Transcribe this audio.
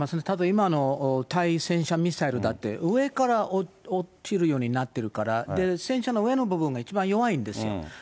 ただ今の対戦車ミサイルだって、上から落ちるようになってらから、戦車の上の部分が一番弱いんですよ。